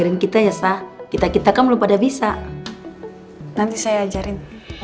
nanti saya ajarin